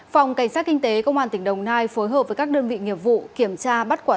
phòng cảnh sát kinh tế công an tỉnh đồng nai phối hợp với các đơn vị nghiệp vụ kiểm tra bắt quả